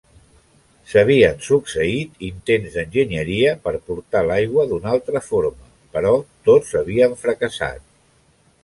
S'havien succeït intents d'enginyeria per portar l'aigua d'una altra forma, però tots havien fracassat.